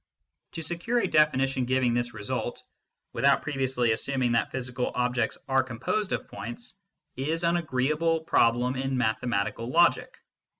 To secure a definition giving this result, without previously assuming that physical objects are composed of points, is an agree able problem in mathematical logic.